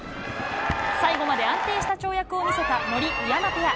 最後まで安定した跳躍を見せた森・宇山ペア。